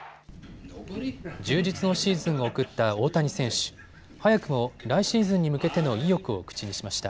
充実のシーズンを送った大谷選手、早くも来シーズンに向けての意欲を口にしました。